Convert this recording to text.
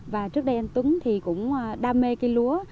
và trước đây anh tuấn thì cũng đam mê cây lúa